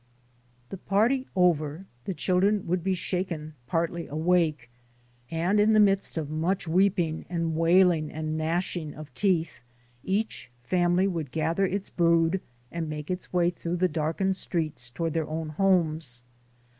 The party over, the children would be shaken partly awake, and in the midst of much weeping and wailing and gnashing of teeth, each family would gather its brood and make its way through the darkened streets toward their own homes.